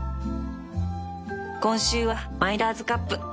今週はマイラーズカップ。